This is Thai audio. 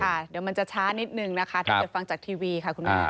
เดี๋ยวมันจะช้านิดนึงนะคะถ้าเกิดฟังจากทีวีค่ะคุณแม่